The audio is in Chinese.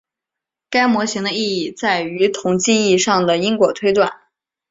该模型的意义在于统计意义上的因果推断。